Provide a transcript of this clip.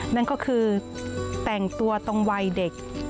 นั่นก็คือแต่งตัวตรงวัยเด็ก